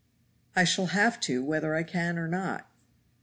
"I shall have to, whether I can or not."